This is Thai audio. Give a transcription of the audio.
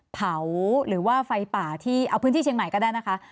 เผาหรือว่าไฟป่าที่เอาพื้นที่เชียงใหม่ก็ได้นะคะ